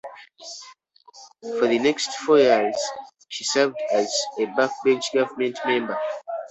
For the next four years, she served as a backbench government member.